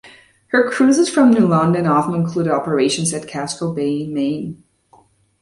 Her cruises from New London often included operations at Casco Bay, Maine.